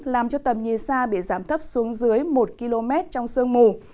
làm cho tầm nhìn xa bị giảm thấp xuống dưới một km trong sương mù